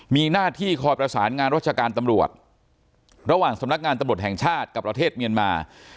มีหน้าที่คอยประสานงานรัชการตำรวจระหว่างสำนักงานตำรวจแห่งชาติกับประเทศเมียนมา